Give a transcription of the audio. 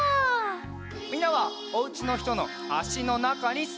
みんなはおうちのひとのあしのなかにすわってください。